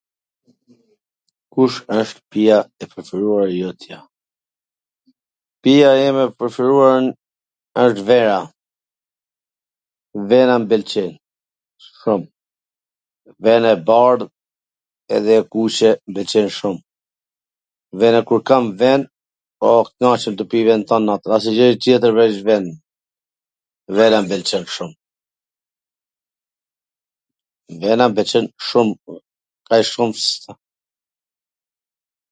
Kush wsht pija e preferuar e jotja? Pija ime e preferuar wsht vera. Vera m pelqen shum. Vena e bardh edhe e kuqe m pwlqen shum. Vena, kur kam ven knaqem tu pi ven tan natwn, asnjw gjw tjetwr veC ven. Vera m pwlqen shum. Vena m pwlqen shum, aq shum sa...